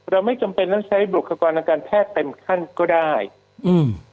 ไม่จำเป็นต้องใช้บุคลากรทางการแพทย์เต็มขั้นก็ได้อืม